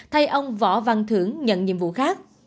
thay ông võ văn thưởng nhận nhiệm vụ khác